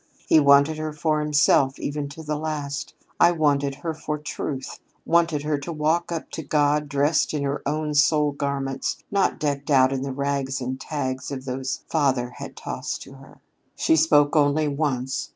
He wanted her for himself even to the last: I wanted her for Truth wanted her to walk up to God dressed in her own soul garments, not decked out in the rags and tags of those father had tossed to her. "She spoke only once.